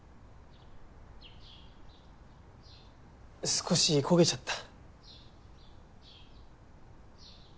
少し焦げちゃった。